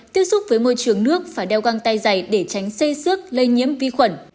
tiếp xúc với môi trường nước phải đeo găng tay dày để tránh xây xước lây nhiễm vi khuẩn